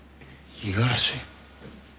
五十嵐。